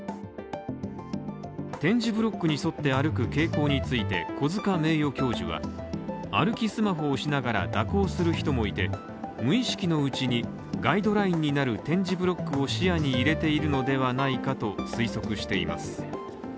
点字ブロックに沿って歩く傾向について小塚名誉教授は歩きスマホをしながら蛇行する人もいて、無意識のうちに、ガイドラインになる点字ブロックを視野に入れているのではないかと推測しています。